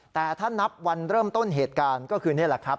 แต่ถ้านับวันเริ่มต้นเหตุการณ์ก็คือนี่แหละครับ